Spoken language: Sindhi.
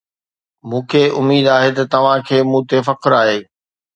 مون کي اميد آهي ته توهان کي مون تي فخر آهي.